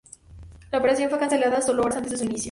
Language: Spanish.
La operación fue cancelada solo horas antes de su inicio.